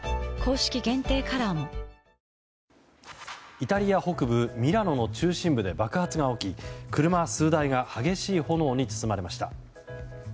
イタリア北部ミラノの中心部で爆発が起き車数台が激しい炎に包まれました。